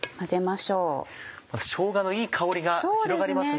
しょうがのいい香りが広がりますね。